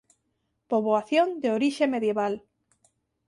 Poboación de orixe medieval.